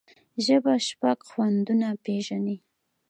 ژبه شپږ خوندونه پېژني.